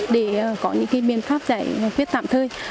để có những biện pháp giải quyết tạm thơi